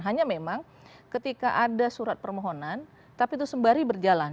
hanya memang ketika ada surat permohonan tapi itu sembari berjalan